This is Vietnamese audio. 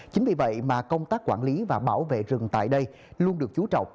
chính vì vậy mà công tác quản lý và bảo vệ rừng tại đây luôn được chú trọng